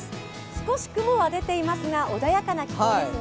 少し雲は出ていますが、穏やかな気候ですね。